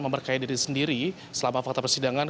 memberkai diri sendiri selama fakta persidangan